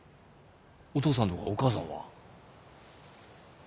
お父さんとかお母さんは？